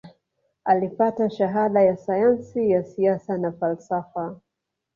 Alipata shahada ya sayansi ya siasa na falsafa